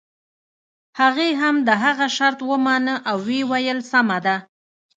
هغې هم د هغه شرط ومانه او ويې ويل سمه ده.